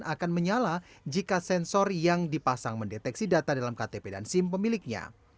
akan menyala jika sensor yang dipasang mendeteksi data dalam ktp dan sim pemiliknya